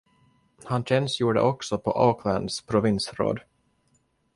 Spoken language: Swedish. Han tjänstgjorde också på Aucklands provinsråd.